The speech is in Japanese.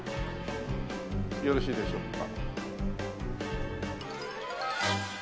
よろしいでしょうか。